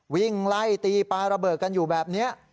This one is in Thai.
วิ่งไล่ตีปลาระเบิดกันอยู่แบบนี้